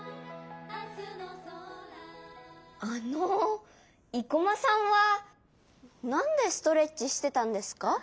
あの生駒さんはなんでストレッチしてたんですか？